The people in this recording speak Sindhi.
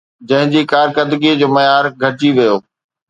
جنهن جي ڪارڪردگيءَ جو معيار گهٽجي ويو